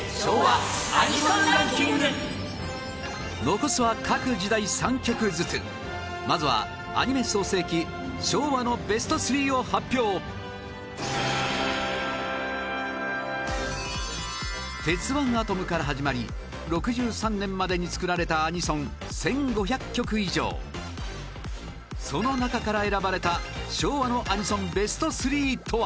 残すは、各時代３曲ずつまずは、アニメ創成期昭和のベスト３を発表『鉄腕アトム』から始まり６３年までに作られたアニソン１５００曲以上その中から選ばれた昭和のアニソンベスト３とは？